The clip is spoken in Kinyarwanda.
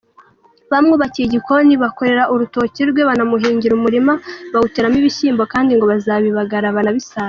Bamwubakiye igikoni, bakorera urutoki rwe, banamuhingira umurima bawuteramo ibishyimbo kandi ngo bazabibagara banabisarure.